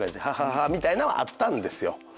「ハハハ」みたいなんはあったんですよ。